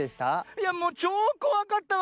いやもうちょうこわかったわ！